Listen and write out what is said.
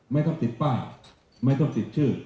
ไม่ต้องติดป้ายไม่ต้องติดชื่อ